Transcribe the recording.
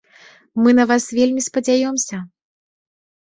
Мы на вас вельмі спадзяёмся.